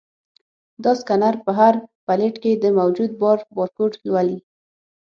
دا سکینر په هر پلیټ کې د موجود بار بارکوډ لولي.